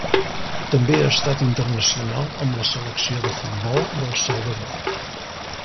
També ha estat internacional amb la selecció de futbol del Salvador.